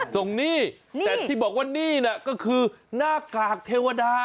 หนี้แต่ที่บอกว่านี่น่ะก็คือหน้ากากเทวดา